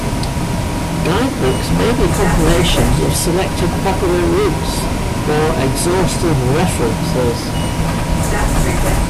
Guidebooks may be compilations of selected popular routes, or exhaustive references.